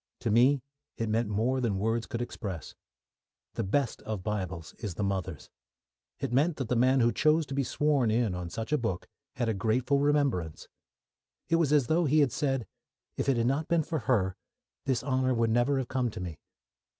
To me it meant more than words could express. The best of Bibles is the mother's. It meant that the man who chose to be sworn in on such a book had a grateful remembrance. It was as though he had said, "If it had not been for her, this honour would never have come to me."